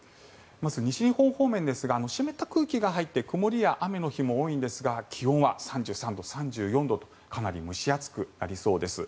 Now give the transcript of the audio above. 西日本方面ですが湿った空気が入って曇りや雨の日も多いんですが気温は３３度、３４度とかなり蒸し暑くなりそうです。